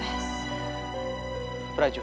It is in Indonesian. rai kita berangkat